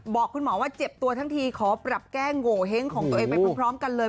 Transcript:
บอกคุณหมอว่าเจ็บตัวทั้งทีขอปรับแก้โงเห้งของตัวเองไปพร้อมกันเลย